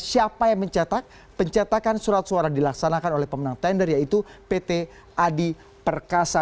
siapa yang mencetak pencetakan surat suara dilaksanakan oleh pemenang tender yaitu pt adi perkasa